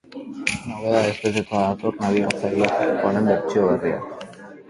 Nobedadez beteta dator nabigatzaile honen bertsio berria.